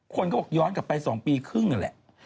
พี่ซ่อมกับไป๒ปีครึ่งนั่นแหละ